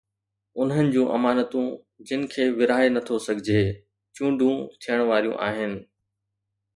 انهن جون امانتون، جن کي ورهائي نٿو سگهجي، چونڊون ٿيڻ واريون آهن.